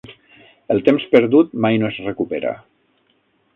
El temps perdut mai no es recupera.